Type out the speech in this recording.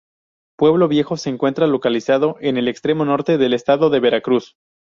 Pueblo Viejo se encuentra localizado en el extremo norte del estado de Veracruz.